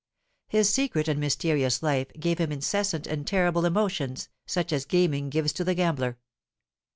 His secret and mysterious life gave him incessant and terrible emotions, such as gaming gives to the gambler.